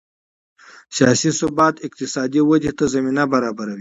سیاسي ثبات اقتصادي ودې ته زمینه برابروي